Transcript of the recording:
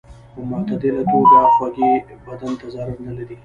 په معتدله توګه خوږې بدن ته ضرر نه لري.